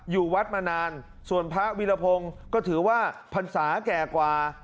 อยู่วัดมานานส่วนพระวิรพงศ์ก็ถือว่าพรรษาแก่กว่า